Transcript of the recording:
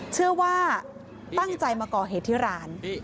เจ้าชายตั้งใจมาเกาะเหตุที่ร้าน